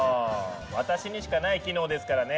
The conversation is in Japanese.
私にしかない機能ですからね。